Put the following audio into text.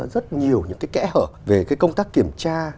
và thấy là bộc lộ ra rất nhiều những cái kẽ hở về cái công tác kiểm tra